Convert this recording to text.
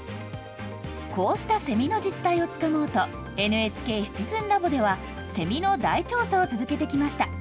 こうしたセミの実態をつかもうと、ＮＨＫシチズンラボではセミの大調査を続けてきました。